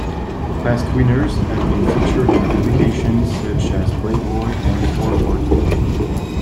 Past winners have been featured in publications such as Playboy and Four Four Two.